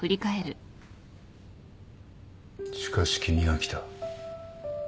しかし君が来た。